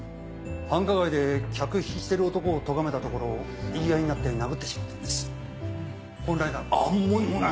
繁華街で客引きしてる男をとがめたところ言い合いになって殴ってしまったんです。